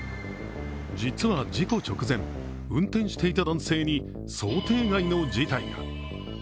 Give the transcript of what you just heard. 実は事故直前、運転していた男性に想定外の事態が。